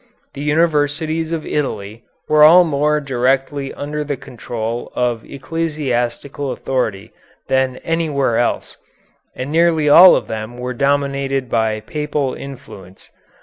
The universities of Italy were all more directly under the control of ecclesiastical authority than anywhere else, and nearly all of them were dominated by papal influence.